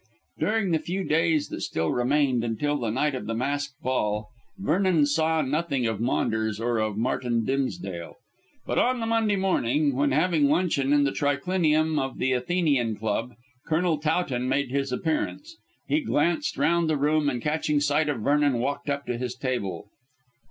During the few days that still remained until the night of the masked ball, Vernon saw nothing of Maunders or of Martin Dimsdale. But on the Monday morning, when having luncheon in the triclinium of the Athenian Club, Colonel Towton made his appearance. He glanced round the room, and catching sight of Vernon, walked up to his table.